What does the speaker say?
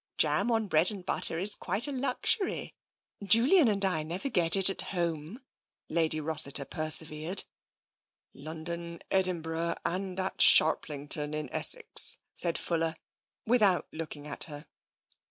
" Jam on bread and butter is quite a luxury. Julian and I never get it at home," Lady Rossiter persevered. " London, Edinburgh, and at Sharplington in Es sex," said Fuller, without looking at her.